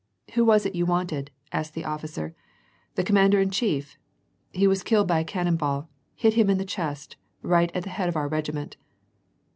"Who was it you wanted," asked the officer; "the com mander in chief ? He was killed by a cannon ball ; hit him in the chest, right at the head of our regiment."